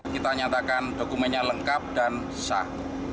kita nyatakan dokumennya lengkap dan sah